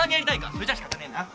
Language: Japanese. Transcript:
それじゃしかたねえな。